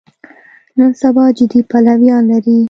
نن سبا جدي پلویان لري.